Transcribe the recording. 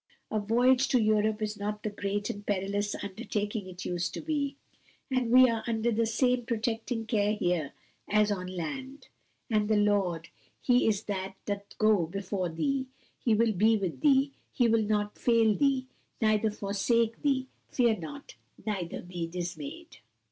"A voyage to Europe is not the great and perilous undertaking it used to be; and we are under the same protecting care here as on land. 'And the Lord, he it is that doth go before thee, he will be with thee, he will not fail thee, neither forsake thee: fear not, neither be dismayed.'"